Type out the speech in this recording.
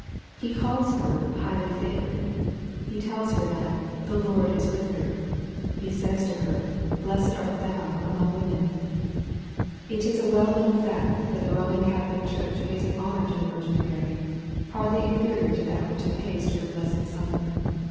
He calls her " highly favored.'' He tells her that " the Lord is with her." ' He says to her, " Blessed art thou among women." LUKE, CHAP. I. 23 It is a well knoTvn fact, that the Roman Cathclio Church pays an honor to the Virgin Mary, hardly inferior to that which it pays to her blessed Son.